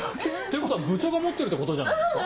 いうことは部長が持ってるってことじゃないですか？